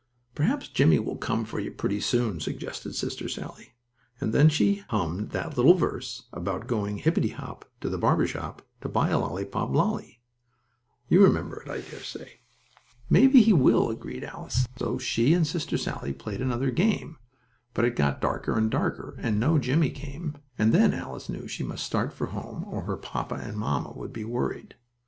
"Perhaps Jimmie will come for you pretty soon," suggested Sister Sallie, and then she hummed that little verse about going hippity hop to the barber shop to buy a lolly pop lally. You remember it, I dare say. "Maybe he will," agreed Alice, so she and Sister Sallie played another game, but it got darker and darker, and no Jimmie came, and then Alice knew she must start for home, or her papa and mamma would be worried.